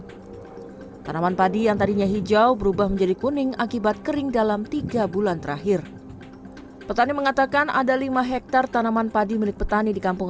hai tanaman padi yang tadinya hijau berubah menjadi kuning akibat kering dalam tiga bulan terakhir petani mengatakan ada lima hektar tanaman padi milik petani di kampung